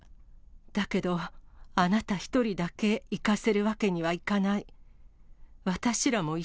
だけどあなた一人だけいかせるわけにはいかない。